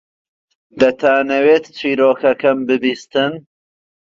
دەتانەوێت چیرۆکەکەم ببیستن؟